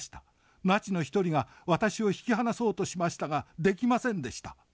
ナチの１人が私を引き離そうとしましたができませんでした。